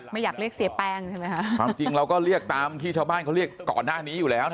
ไม่อยากเรียกเสียแป้งใช่ไหมคะความจริงเราก็เรียกตามที่ชาวบ้านเขาเรียกก่อนหน้านี้อยู่แล้วนะ